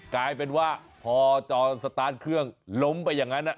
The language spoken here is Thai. กลายเป็นว่าพอจรสตาร์ทเครื่องล้มไปอย่างนั้น